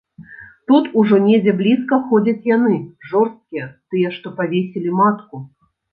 Тут ужо недзе блізка ходзяць яны, жорсткія, тыя, што павесілі матку.